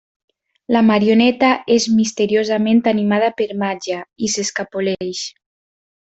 La marioneta és misteriosament animada per màgia, i s'escapoleix.